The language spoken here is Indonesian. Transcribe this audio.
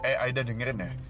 eh aida dengerin ya